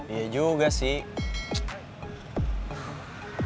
iya juga sih